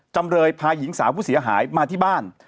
จำเลยพาหญิงสาวผู้เสียหายมาที่บ้าน